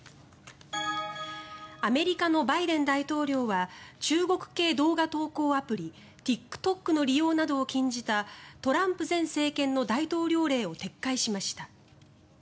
アメリカのバイデン大統領は中国系動画投稿アプリＴｉｋＴｏｋの利用などを禁じたトランプ前政権の大統領令を撤回しました。